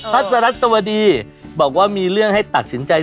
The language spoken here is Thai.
ัสรัฐสวดีบอกว่ามีเรื่องให้ตัดสินใจ